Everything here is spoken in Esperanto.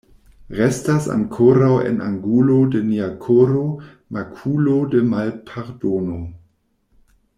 Restas ankoraŭ en angulo de nia koro makulo de malpardono.